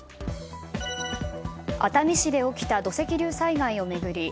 熱海市で起きた土石流災害を巡り